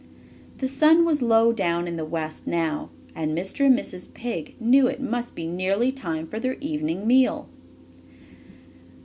The sun was low down in the west now, and Mr. and Mrs. Pig knew it must be nearly time for their evening meal.